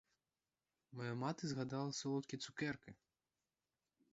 Моя мати згадала солодкі цукерки!